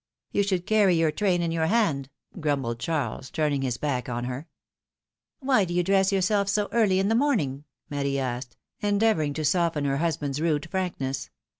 ^^ You should carry your train in your hand grumbled Charles, turning his back on her. Why do you dress yourself so early in the morning?'' Marie asked, endeavoring to soften her husband's rude frankness.